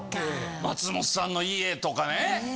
松本さんの家とかね。